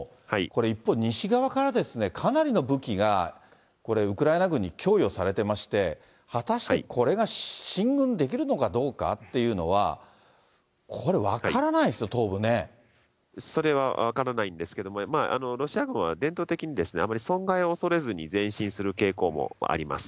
一方、西側から、かなりの武器がこれ、ウクライナ軍に供与されてまして、果たしてこれが進軍できるのかどうかというのは、これ、分からなそれは分からないんですけれども、ロシア軍は伝統的にあまり損害を恐れずに前進する傾向もあります。